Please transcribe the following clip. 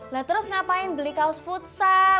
lah terus ngapain beli kaos futsal